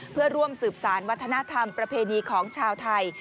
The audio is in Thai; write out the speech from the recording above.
เพื่อร่วมสืบสารวัฒนธรรมประเพณีของชาวไทย